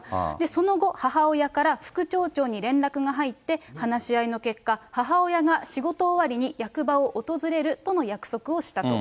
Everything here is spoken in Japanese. その後、母親から副町長に連絡が入って、話し合いの結果、母親が仕事終わりに役場を訪れるとの約束をしたと。